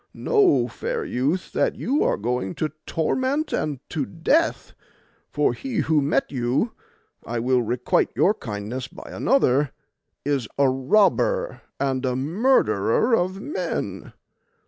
Know, fair youth, that you are going to torment and to death, for he who met you (I will requite your kindness by another) is a robber and a murderer of men.